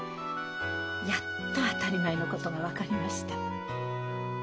やっと当たり前のことが分かりました。